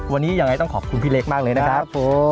วันนี้ยังไงต้องขอบคุณพี่เล็กมากเลยนะครับ